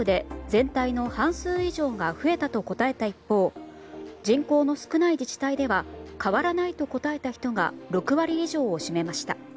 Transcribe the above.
地域別では東京２３区で全体の半数以上が増えたと答えた一方人口の少ない自治体では変わらないと答えた人が６割以上を占めました。